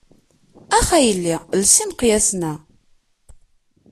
Ax a yelli els imeqyasen-a.